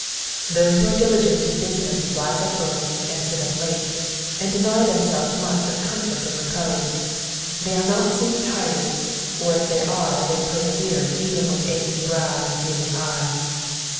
Those who are diligent in business rise up early and sit up late, and deny themselves much of comfort and repose. They are not soon tired, or if they are they persevere even with aching brow and weary eye.